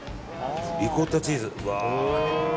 リコッタチーズ。